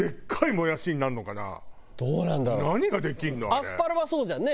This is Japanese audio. アスパラはそうじゃんね。